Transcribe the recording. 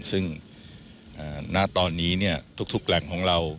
ซึ่งณตอนนี้ทุกแหล่งของเรา